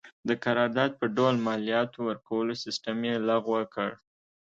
د قرارداد په ډول مالیاتو ورکولو سیستم یې لغوه کړ.